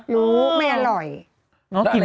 รู้ไม่อร่อย